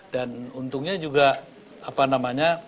dan untungnya juga apa namanya